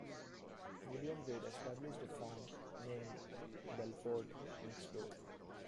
William Wade established a farm, named "Belford", next door.